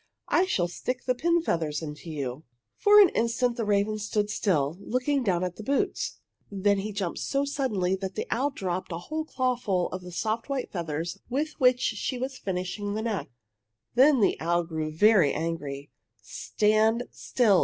I shall stick the pin feathers into you!" For an instant the raven stood still, looking down at the boots. Then he jumped so suddenly that the owl dropped a whole clawful of the soft white feathers with which she was finishing the neck. Then the owl grew very angry. "Stand still!"